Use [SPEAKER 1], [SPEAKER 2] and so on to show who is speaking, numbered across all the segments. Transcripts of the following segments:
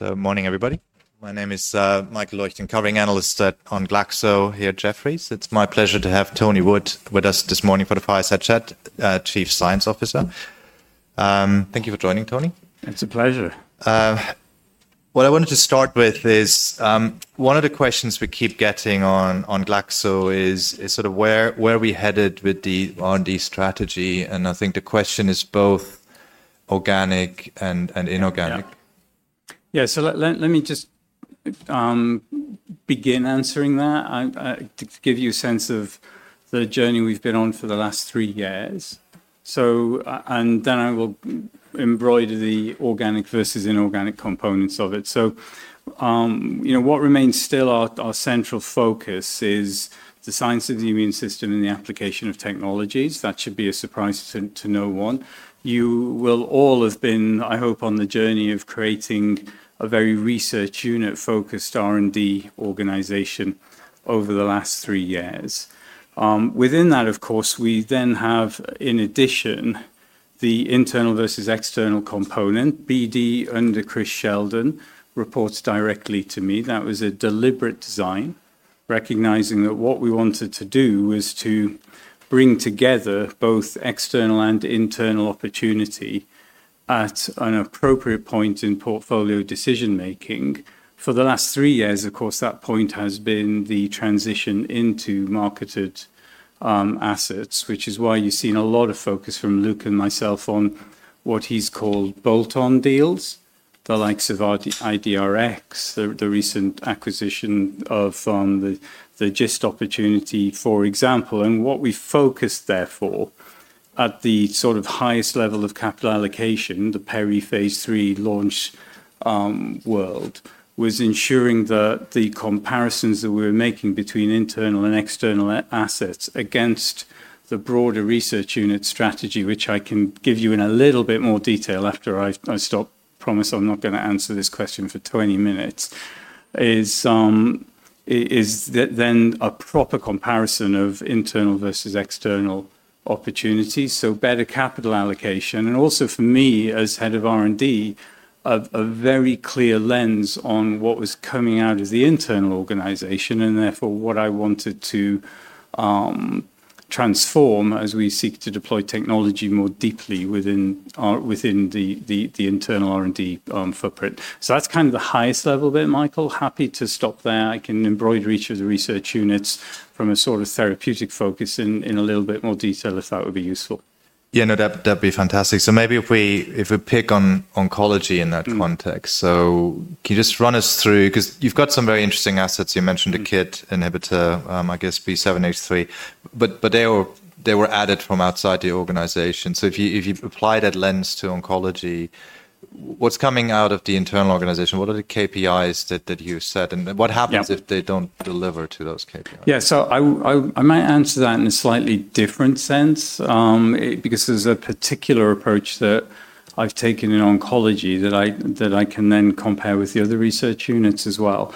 [SPEAKER 1] Morning, everybody. My name is Michael Leuchten, and covering analysts on GSK here at Jefferies. It's my pleasure to have Tony Wood with us this morning for the Fireside Chat, Chief Science Officer. Thank you for joining, Tony.
[SPEAKER 2] It's a pleasure.
[SPEAKER 1] What I wanted to start with is one of the questions we keep getting on GSK is sort of where we're headed with the R&D strategy. I think the question is both organic and inorganic.
[SPEAKER 2] Yeah, so let me just begin answering that to give you a sense of the journey we've been on for the last three years. Then I will embroider the organic versus inorganic components of it. You know, what remains still our central focus is the science of the immune system and the application of technologies. That should be a surprise to no one. You will all have been, I hope, on the journey of creating a very research unit-focused R&D organization over the last three years. Within that, of course, we then have, in addition, the internal versus external component. BD, under Chris Sheldon, reports directly to me. That was a deliberate design, recognizing that what we wanted to do was to bring together both external and internal opportunity at an appropriate point in portfolio decision-making. For the last three years, of course, that point has been the transition into marketed assets, which is why you've seen a lot of focus from Luke and myself on what he's called bolt-on deals, the likes of IDRx, the recent acquisition of the GIST opportunity, for example. What we focused, therefore, at the sort of highest level of capital allocation, the peri phase three launch world, was ensuring that the comparisons that we were making between internal and external assets against the broader research unit strategy, which I can give you in a little bit more detail after I stop, promise I'm not going to answer this question for 20 minutes, is then a proper comparison of internal versus external opportunities. Better capital allocation, and also for me as Head of R&D, a very clear lens on what was coming out of the internal organization, and therefore what I wanted to transform as we seek to deploy technology more deeply within the internal R&D footprint. That is kind of the highest level bit, Michael. Happy to stop there. I can embroider each of the research units from a sort of therapeutic focus in a little bit more detail if that would be useful.
[SPEAKER 1] Yeah, no, that'd be fantastic. Maybe if we pick on oncology in that context, can you just run us through, because you've got some very interesting assets? You mentioned a KIT, I guess, B7-H3, but they were added from outside the organization. If you apply that lens to oncology, what's coming out of the internal organization? What are the KPIs that you've set? What happens if they don't deliver to those KPIs?
[SPEAKER 2] Yeah, I might answer that in a slightly different sense, because there's a particular approach that I've taken in oncology that I can then compare with the other research units as well.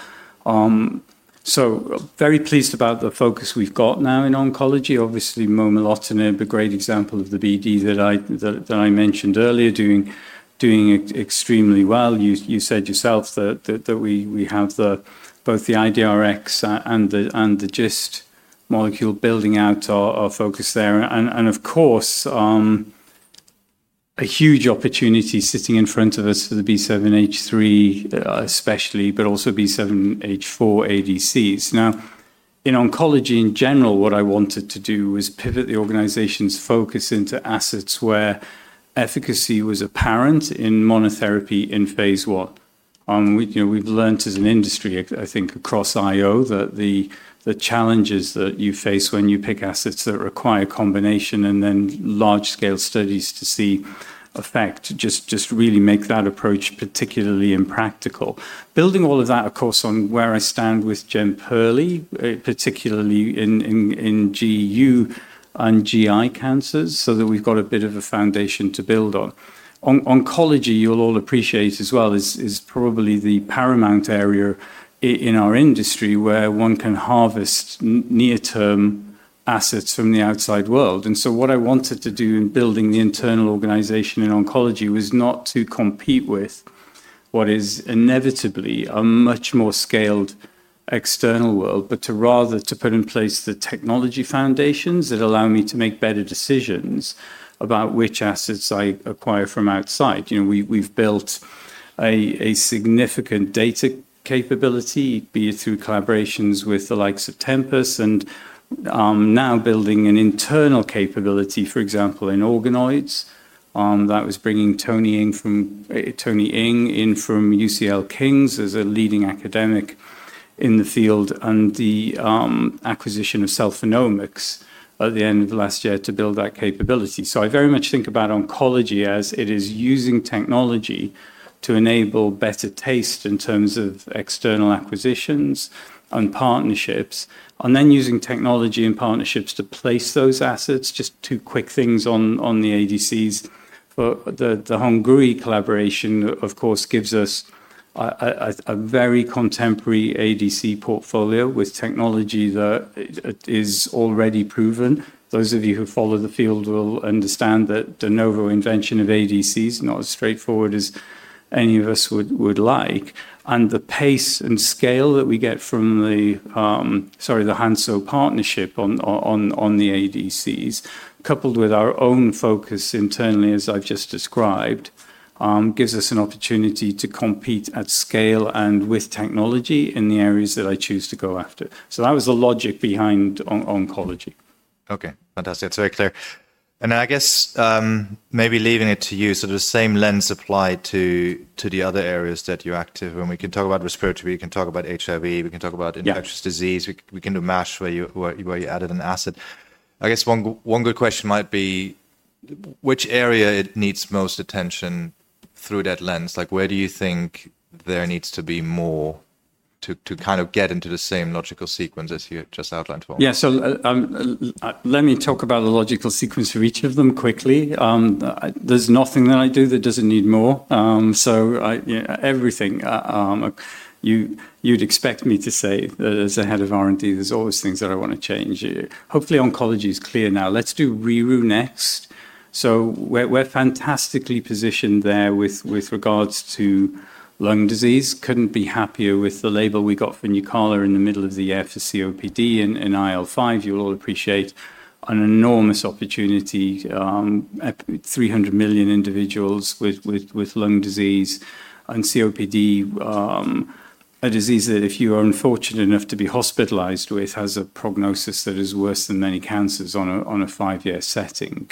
[SPEAKER 2] Very pleased about the focus we've got now in oncology. Obviously, momelotinib, a great example of the BD that I mentioned earlier, doing extremely well. You said yourself that we have both the IDRx and the GIST molecule building out our focus there. Of course, a huge opportunity sitting in front of us for the B7-H3 especially, but also B7-H4 ADCs. In oncology in general, what I wanted to do was pivot the organization's focus into assets where efficacy was apparent in monotherapy in phase one. We've learned as an industry, I think, across IO that the challenges that you face when you pick assets that require combination and then large-scale studies to see effect just really make that approach particularly impractical. Building all of that, of course, on where I stand with Jemperli, particularly in GU and GI cancers, so that we've got a bit of a foundation to build on. Oncology, you'll all appreciate as well, is probably the paramount area in our industry where one can harvest near-term assets from the outside world. What I wanted to do in building the internal organization in oncology was not to compete with what is inevitably a much more scaled external world, but to rather put in place the technology foundations that allow me to make better decisions about which assets I acquire from outside. We've built a significant data capability, be it through collaborations with the likes of Tempus, and now building an internal capability, for example, in organoids. That was bringing Tony Ng in from UCL Kings as a leading academic in the field, and the acquisition of Cellphenomics at the end of last year to build that capability. I very much think about oncology as it is using technology to enable better taste in terms of external acquisitions and partnerships, and then using technology and partnerships to place those assets. Just two quick things on the ADCs. The Hengrui collaboration, of course, gives us a very contemporary ADC portfolio with technology that is already proven. Those of you who follow the field will understand that de novo invention of ADCs is not as straightforward as any of us would like. The pace and scale that we get from the Hansoh partnership on the ADCs, coupled with our own focus internally, as I've just described, gives us an opportunity to compete at scale and with technology in the areas that I choose to go after. That was the logic behind oncology.
[SPEAKER 1] Okay, fantastic. That's very clear. I guess maybe leaving it to you, the same lens applied to the other areas that you're active in. We can talk about respiratory, we can talk about HIV, we can talk about infectious disease, we can do MASH where you added an asset. I guess one good question might be, which area needs most attention through that lens? Like, where do you think there needs to be more to kind of get into the same logical sequence as you just outlined for me?
[SPEAKER 2] Yeah, so let me talk about the logical sequence for each of them quickly. There's nothing that I do that doesn't need more. So, everything you'd expect me to say as a Head of R&D, there's always things that I want to change. Hopefully, oncology is clear now. Let's do RIRU next. So, we're fantastically positioned there with regards to lung disease. Couldn't be happier with the label we got for Nucala in the middle of the year for COPD in IL-5. You'll all appreciate an enormous opportunity. 300 million individuals with lung disease. And COPD, a disease that if you are unfortunate enough to be hospitalized with, has a prognosis that is worse than many cancers on a five-year setting.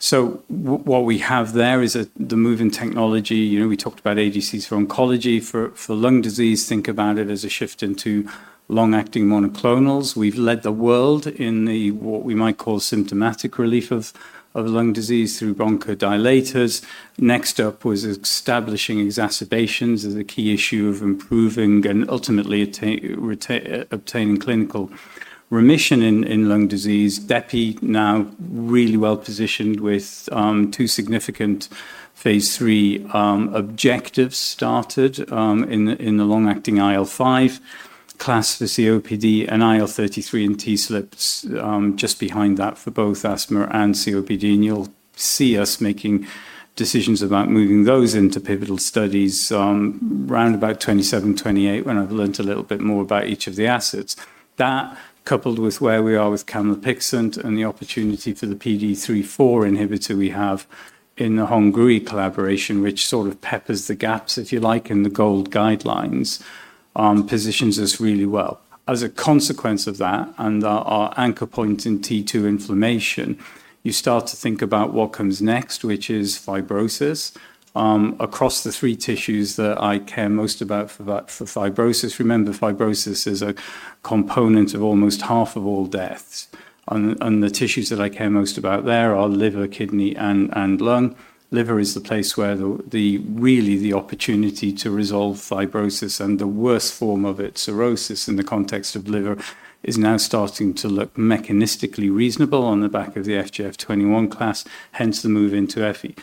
[SPEAKER 2] So, what we have there is the move in technology. We talked about ADCs for oncology, for lung disease. Think about it as a shift into long-acting monoclonals. We've led the world in what we might call symptomatic relief of lung disease through bronchodilators. Next up was establishing exacerbations as a key issue of improving and ultimately obtaining clinical remission in lung disease. Depemokimab now really well positioned with two significant phase III objectives started in the long-acting IL-5 class for COPD and IL-33 and TSLP just behind that for both asthma and COPD. You'll see us making decisions about moving those into pivotal studies around about 2027, 2028 when I've learned a little bit more about each of the assets. That, coupled with where we are with camlipixant and the opportunity for the PDE3/4 inhibitor we have in the Hengrui collaboration, which sort of peppers the gaps, if you like, in the GOLD guidelines, positions us really well. As a consequence of that, and our anchor point in T2 inflammation, you start to think about what comes next, which is fibrosis. Across the three tissues that I care most about for fibrosis, remember, fibrosis is a component of almost half of all deaths. And the tissues that I care most about there are liver, kidney, and lung. Liver is the place where really the opportunity to resolve fibrosis and the worst form of it, cirrhosis in the context of liver, is now starting to look mechanistically reasonable on the back of the FGF21 class, hence the move into EFI.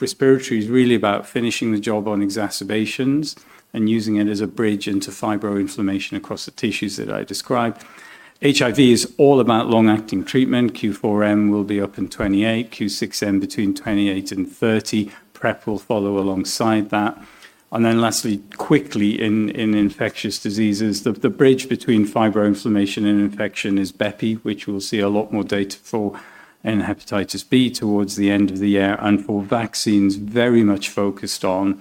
[SPEAKER 2] Respiratory is really about finishing the job on exacerbations and using it as a bridge into fibroinflammation across the tissues that I described. HIV is all about long-acting treatment. Q4M will be up in 2028, Q6M between 2028 and 2030. PrEP will follow alongside that. Lastly, quickly in infectious diseases, the bridge between fibroinflammation and infection is bepirovirsen, which we'll see a lot more data for in hepatitis B towards the end of the year. For vaccines, very much focused on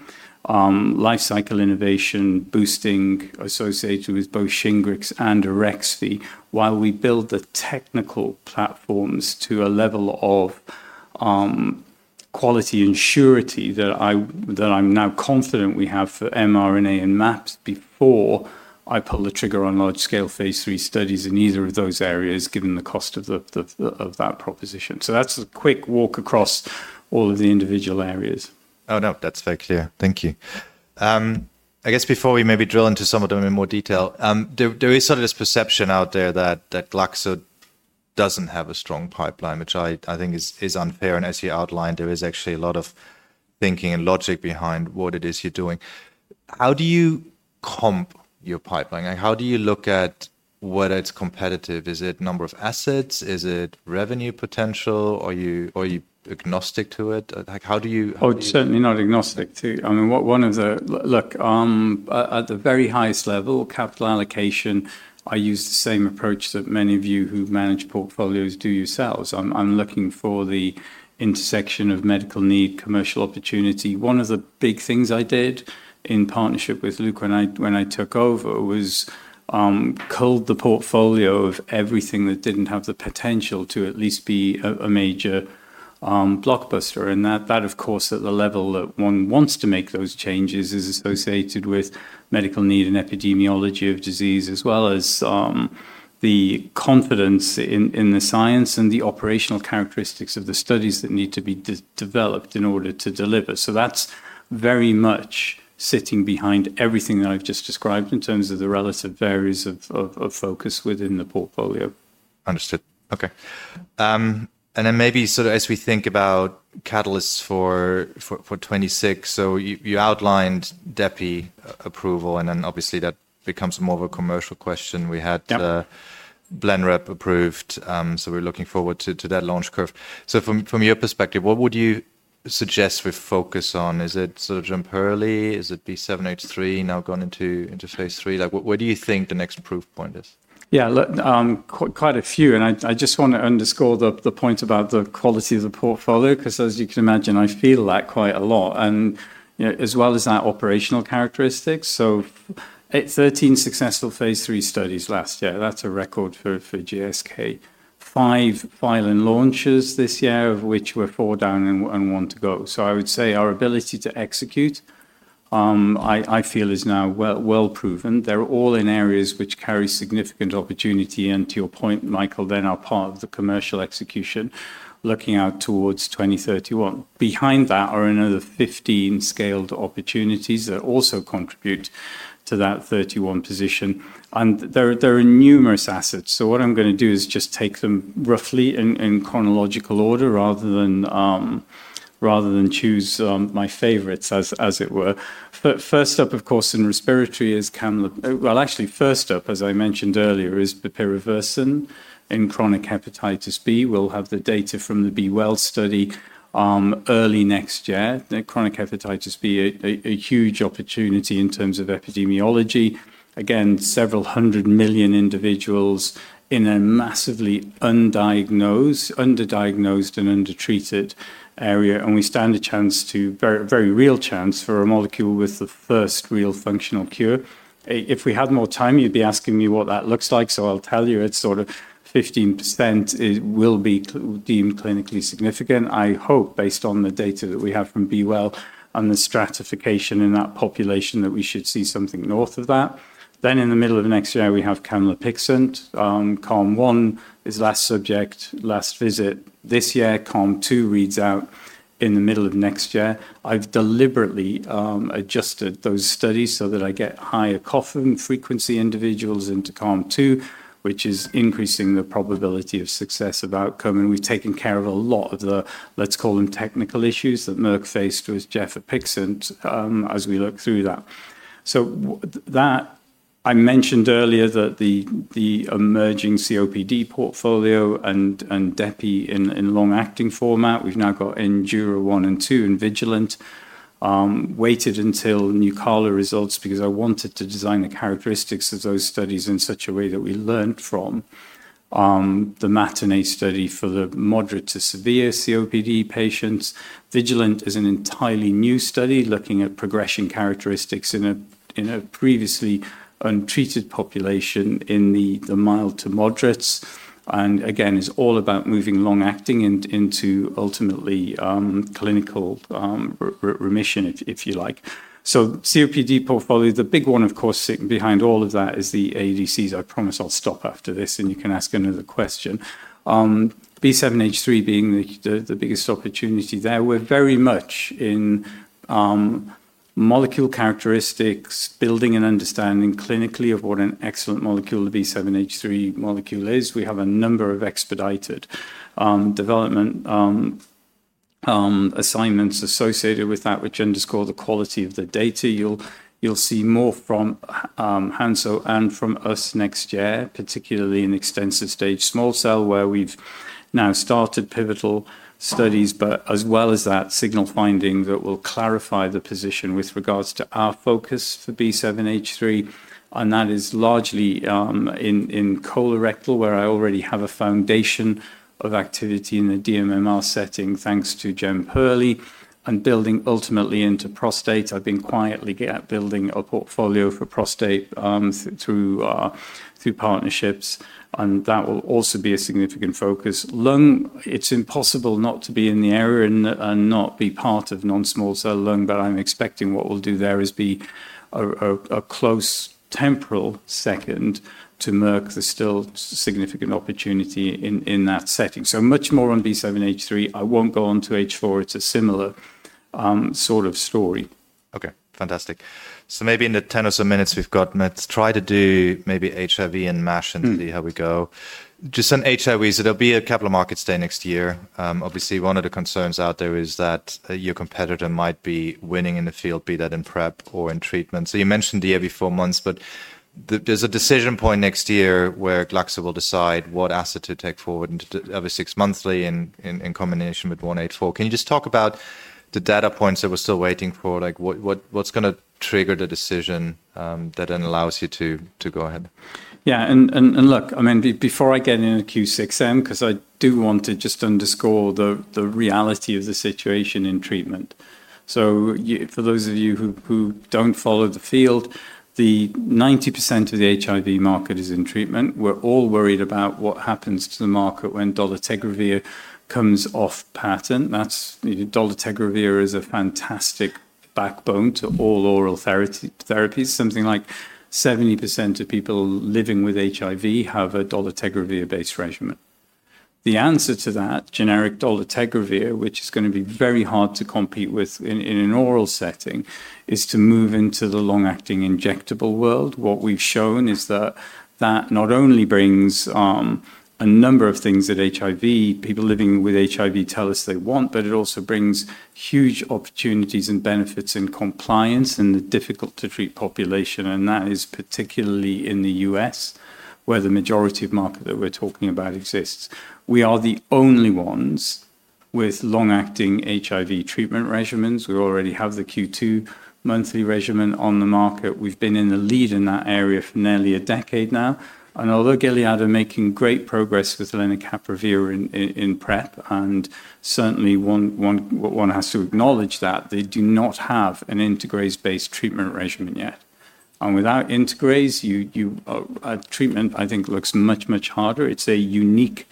[SPEAKER 2] life cycle innovation, boosting associated with both SHINGRIX and AREXVY, while we build the technical platforms to a level of quality and surety that I'm now confident we have for mRNA and MAPS before I pull the trigger on large-scale phase three studies in either of those areas, given the cost of that proposition. That's a quick walk across all of the individual areas.
[SPEAKER 1] Oh, no, that's very clear. Thank you. I guess before we maybe drill into some of them in more detail, there is sort of this perception out there that GSK doesn't have a strong pipeline, which I think is unfair. As you outlined, there is actually a lot of thinking and logic behind what it is you're doing. How do you comp your pipeline? How do you look at whether it's competitive? Is it number of assets? Is it revenue potential? Are you agnostic to it? How do you?
[SPEAKER 2] Oh, certainly not agnostic. I mean, one of the, look, at the very highest level, capital allocation, I use the same approach that many of you who manage portfolios do yourselves. I'm looking for the intersection of medical need, commercial opportunity. One of the big things I did in partnership with Luke when I took over was cull the portfolio of everything that did not have the potential to at least be a major blockbuster. That, of course, at the level that one wants to make those changes, is associated with medical need and epidemiology of disease, as well as the confidence in the science and the operational characteristics of the studies that need to be developed in order to deliver. That is very much sitting behind everything that I've just described in terms of the relative areas of focus within the portfolio.
[SPEAKER 1] Understood. Okay. And then maybe sort of as we think about catalysts for 2026, you outlined DEPI approval, and then obviously that becomes more of a commercial question. We had Blenrep approved, so we're looking forward to that launch curve. From your perspective, what would you suggest we focus on? Is it sort of Jemperli? Is it B7-H3 now gone into phase three? Where do you think the next proof point is?
[SPEAKER 2] Yeah, look, quite a few. I just want to underscore the point about the quality of the portfolio, because as you can imagine, I feel that quite a lot. As well as that, operational characteristics, so 13 successful phase III studies last year. That is a record for GSK. Five filing launches this year, of which we are four down and one to go. I would say our ability to execute, I feel, is now well proven. They are all in areas which carry significant opportunity. To your point, Michael, they are now part of the commercial execution looking out towards 2031. Behind that are another 15 scaled opportunities that also contribute to that 31 position. There are numerous assets. What I am going to do is just take them roughly in chronological order rather than choose my favorites, as it were. First up, of course, in respiratory is camla... Actually, first up, as I mentioned earlier, is bepirovirsen in chronic hepatitis B. We'll have the data from the B well study early next year. Chronic hepatitis B, a huge opportunity in terms of epidemiology. Again, several hundred million individuals in a massively underdiagnosed and undertreated area. We stand a chance to, very real chance, for a molecule with the first real functional cure. If we had more time, you'd be asking me what that looks like. I'll tell you, it's sort of 15% will be deemed clinically significant, I hope, based on the data that we have from B well and the stratification in that population that we should see something north of that. In the middle of next year, we have camlapixant. COM1 is last subject, last visit this year. COM2 reads out in the middle of next year. I've deliberately adjusted those studies so that I get higher coughing frequency individuals into COM2, which is increasing the probability of success of outcome. We've taken care of a lot of the, let's call them technical issues that Merck faced with gefapixant as we look through that. I mentioned earlier that the emerging COPD portfolio and Depemokimab in long-acting format, we've now got Endura-1 and Endura-2 and Vigilant. Waited until Nucala results because I wanted to design the characteristics of those studies in such a way that we learned from the Matinee study for the moderate to severe COPD patients. Vigilant is an entirely new study looking at progression characteristics in a previously untreated population in the mild to moderates. Again, it's all about moving long-acting into ultimately clinical remission, if you like. COPD portfolio, the big one, of course, sitting behind all of that is the ADCs. I promise I'll stop after this, and you can ask another question. B7--H3 being the biggest opportunity there. We're very much in molecule characteristics, building and understanding clinically of what an excellent molecule, the B7H3 molecule is. We have a number of expedited development assignments associated with that, which underscore the quality of the data. You'll see more from Hansoh and from us next year, particularly in extensive stage small cell, where we've now started pivotal studies, but as well as that signal finding that will clarify the position with regards to our focus for B7-H3. That is largely in colorectal, where I already have a foundation of activity in the DMMR setting, thanks to Jemperli, and building ultimately into prostate. I've been quietly building a portfolio for prostate through partnerships. That will also be a significant focus. Lung, it's impossible not to be in the area and not be part of non-small cell lung, but I'm expecting what we'll do there is be a close temporal second to Merck. There's still significant opportunity in that setting. Much more on B7-H3. I won't go on to H4. It's a similar sort of story.
[SPEAKER 1] Okay, fantastic. Maybe in the 10 or so minutes we've got, let's try to do maybe HIV and MASH and see how we go. Just on HIV, there'll be a capital markets day next year. Obviously, one of the concerns out there is that your competitor might be winning in the field, be that in PrEP or in treatment. You mentioned the every four months, but there's a decision point next year where GSK will decide what asset to take forward every six monthly in combination with 184. Can you just talk about the data points that we're still waiting for? What's going to trigger the decision that then allows you to go ahead?
[SPEAKER 2] Yeah, and look, I mean, before I get into Q6M, because I do want to just underscore the reality of the situation in treatment. For those of you who don't follow the field, 90% of the HIV market is in treatment. We're all worried about what happens to the market when dolutegravir comes off patent. Dolutegravir is a fantastic backbone to all oral therapies. Something like 70% of people living with HIV have a dolutegravir-based regimen. The answer to that, generic dolutegravir, which is going to be very hard to compete with in an oral setting, is to move into the long-acting injectable world. What we've shown is that that not only brings a number of things that HIV, people living with HIV tell us they want, but it also brings huge opportunities and benefits in compliance in the difficult-to-treat population. That is particularly in the U.S., where the majority of market that we're talking about exists. We are the only ones with long-acting HIV treatment regimens. We already have the Q2 monthly regimen on the market. We've been in the lead in that area for nearly a decade now. Although Gilead are making great progress with lenacapavir in PrEP, and certainly one has to acknowledge that they do not have an integrase-based treatment regimen yet. Without integrase, a treatment, I think, looks much, much harder. It's a unique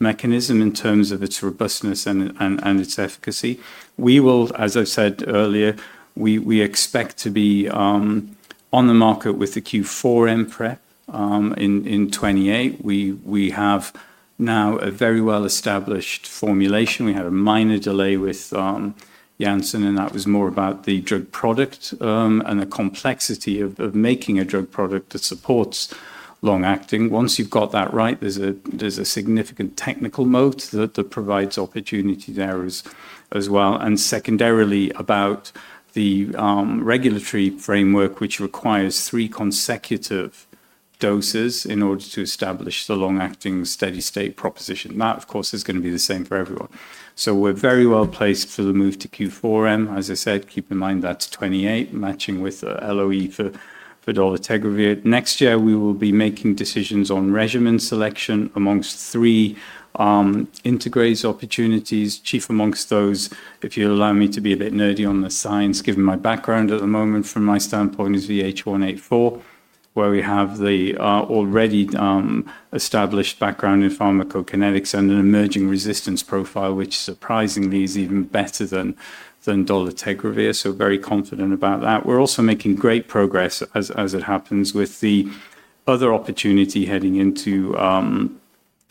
[SPEAKER 2] mechanism in terms of its robustness and its efficacy. We will, as I said earlier, we expect to be on the market with the Q4M PrEP in 2028. We have now a very well-established formulation. We had a minor delay with Janssen, and that was more about the drug product and the complexity of making a drug product that supports long-acting. Once you've got that right, there's a significant technical moat that provides opportunity there as well. Secondarily, about the regulatory framework, which requires three consecutive doses in order to establish the long-acting steady-state proposition. That, of course, is going to be the same for everyone. We're very well placed for the move to Q4M. As I said, keep in mind that's 28, matching with LOE for dolutegravir. Next year, we will be making decisions on regimen selection amongst three integrase opportunities. Chief amongst those, if you'll allow me to be a bit nerdy on the science, given my background at the moment, from my standpoint, is VH184, where we have the already established background in pharmacokinetics and an emerging resistance profile, which surprisingly is even better than dolutegravir. Very confident about that. We're also making great progress, as it happens, with the other opportunity heading into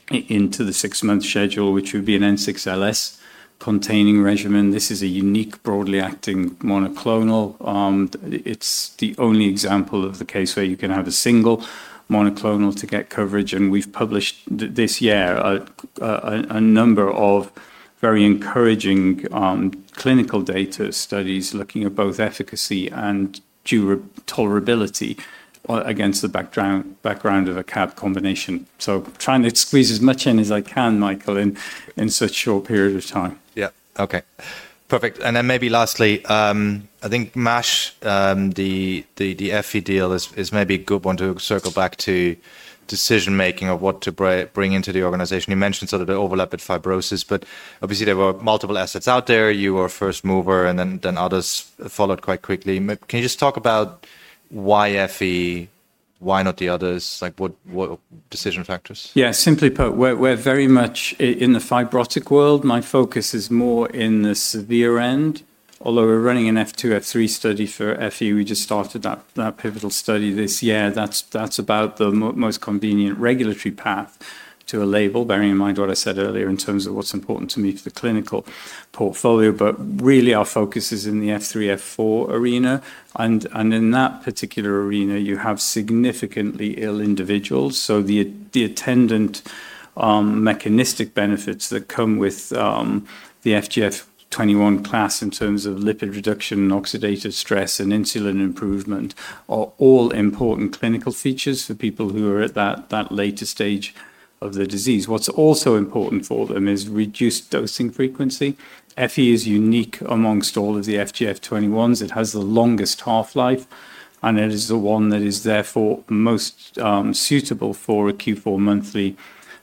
[SPEAKER 2] the six-month schedule, which would be an N6LS containing regimen. This is a unique broadly acting monoclonal. It's the only example of the case where you can have a single monoclonal to get coverage. We've published this year a number of very encouraging clinical data studies looking at both efficacy and tolerability against the background of a CAB combination. Trying to squeeze as much in as I can, Michael, in such a short period of time.
[SPEAKER 1] Yeah, okay. Perfect. Maybe lastly, I think MASH, the EFI deal is maybe a good one to circle back to decision-making of what to bring into the organization. You mentioned sort of the overlap with fibrosis, but obviously there were multiple assets out there. You were a first mover, and then others followed quite quickly. Can you just talk about why EFI, why not the others? Like what decision factors?
[SPEAKER 2] Yeah, simply put, we're very much in the fibrotic world. My focus is more in the severe end. Although we're running an F2, F3 study for EFI, we just started that pivotal study this year. That's about the most convenient regulatory path to a label, bearing in mind what I said earlier in terms of what's important to me for the clinical portfolio. Really, our focus is in the F3, F4 arena. In that particular arena, you have significantly ill individuals. The attendant mechanistic benefits that come with the FGF21 class in terms of lipid reduction and oxidative stress and insulin improvement are all important clinical features for people who are at that later stage of the disease. What's also important for them is reduced dosing frequency. EFI is unique amongst all of the FGF21s. It has the longest half-life, and it is the one that is therefore most suitable for a Q4 monthly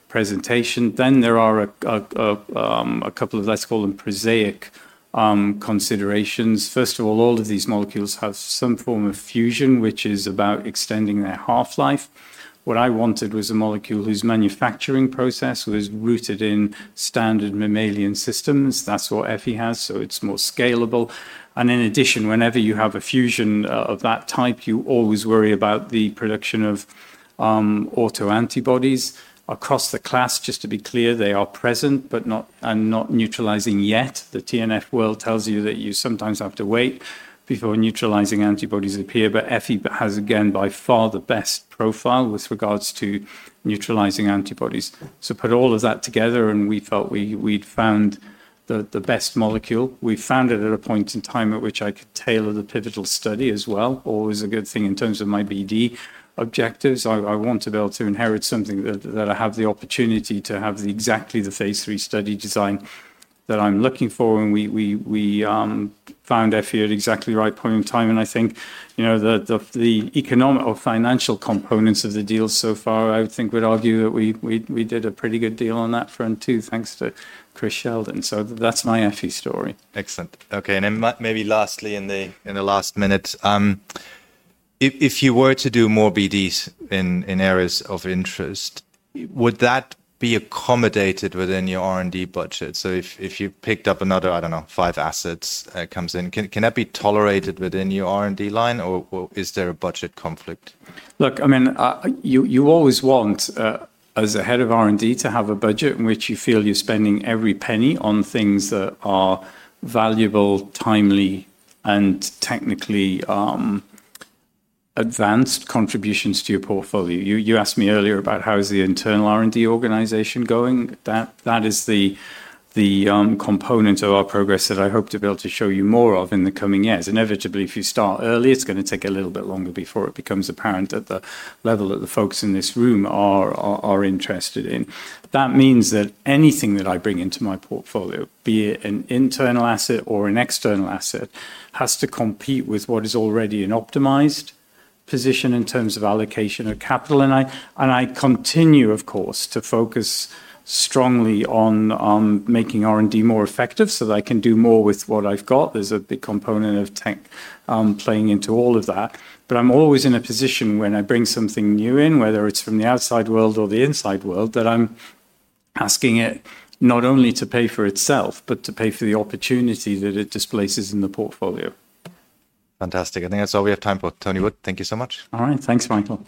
[SPEAKER 2] presentation. There are a couple of, let's call them prosaic considerations. First of all, all of these molecules have some form of fusion, which is about extending their half-life. What I wanted was a molecule whose manufacturing process was rooted in standard mammalian systems. That's what EFI has, so it's more scalable. In addition, whenever you have a fusion of that type, you always worry about the production of autoantibodies across the class. Just to be clear, they are present, but not neutralizing yet. The TNF world tells you that you sometimes have to wait before neutralizing antibodies appear. EFI has, again, by far the best profile with regards to neutralizing antibodies. Put all of that together, and we felt we'd found the best molecule. We found it at a point in time at which I could tailor the pivotal study as well. Always a good thing in terms of my BD objectives. I want to be able to inherit something that I have the opportunity to have exactly the phase three study design that I'm looking for. We found EFI at exactly the right point in time. I think the economic or financial components of the deal so far, I would think we'd argue that we did a pretty good deal on that front too, thanks to Chris Sheldon. That's my EFI story.
[SPEAKER 1] Excellent. Okay, and then maybe lastly, in the last minute, if you were to do more BDs in areas of interest, would that be accommodated within your R&D budget? If you picked up another, I do not know, five assets that come in, can that be tolerated within your R&D line, or is there a budget conflict?
[SPEAKER 2] Look, I mean, you always want, as a Head of R&D, to have a budget in which you feel you're spending every penny on things that are valuable, timely, and technically advanced contributions to your portfolio. You asked me earlier about how is the internal R&D organization going. That is the component of our progress that I hope to be able to show you more of in the coming years. Inevitably, if you start early, it's going to take a little bit longer before it becomes apparent at the level that the folks in this room are interested in. That means that anything that I bring into my portfolio, be it an internal asset or an external asset, has to compete with what is already an optimized position in terms of allocation of capital. I continue, of course, to focus strongly on making R&D more effective so that I can do more with what I've got. There's a big component of tech playing into all of that. I'm always in a position when I bring something new in, whether it's from the outside world or the inside world, that I'm asking it not only to pay for itself, but to pay for the opportunity that it displaces in the portfolio.
[SPEAKER 1] Fantastic. I think that's all we have time for. Tony Wood, thank you so much.
[SPEAKER 2] All right, thanks, Michael.